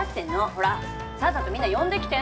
ほらさっさとみんな呼んできて！